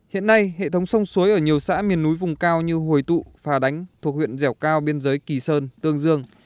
hiện nay hệ thống sông suối ở nhiều xã miền núi vùng cao như hồi tụ phà đánh thuộc huyện dẻo cao biên giới kỳ sơn tương dương